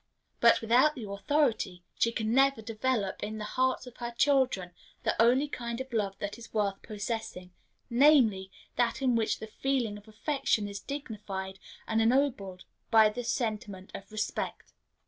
But without the authority she can never develop in the hearts of her children the only kind of love that is worth possessing namely, that in which the feeling of affection is dignified and ennobled by the sentiment of respect.